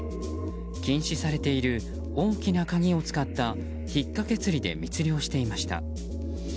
禁止されている大きなカギを使った引っかけ釣りで密漁していました。